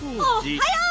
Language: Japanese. おっはよう！